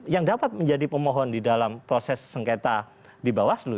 yang dapat menjadi pemohon di dalam proses sengketa di bawaslu